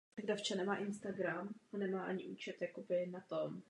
Vozidla jsou také vybavena elektronickými informačními panely.